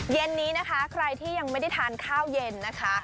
เย็นนี้นะคะใครที่ยังไม่ได้ทานข้าวเย็นนะคะ